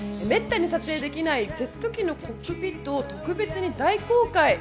滅多に撮影できないジェット機のコックピットを特別に大公開。